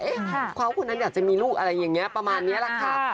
เขาคนนั้นอยากจะมีลูกอะไรอย่างนี้ประมาณนี้แหละค่ะ